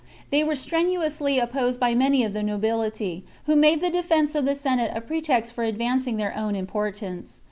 They were strenuously opposed by many of the nobility, who made the de fence of the Senate a pretext for advancing their own importance.